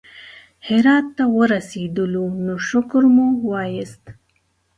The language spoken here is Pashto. هرات ته ورسېدلو نو شکر مو وایست.